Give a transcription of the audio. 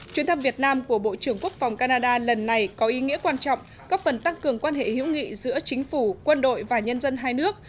chuyến thăm việt nam của bộ trưởng quốc phòng canada lần này có ý nghĩa quan trọng góp phần tăng cường quan hệ hữu nghị giữa chính phủ quân đội và nhân dân hai nước